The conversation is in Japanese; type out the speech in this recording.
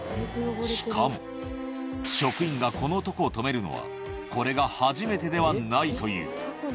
しかも、職員がこの男を止めるのは、これが初めてではないという。